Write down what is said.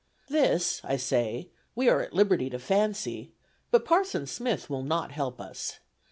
This, I say, we are at liberty to fancy, but Parson Smith will not help us.